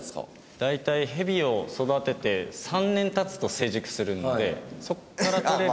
大体ヘビを育てて３年経つと成熟するんでそこからとれる。